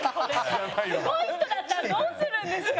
すごい人だったらどうするんですか？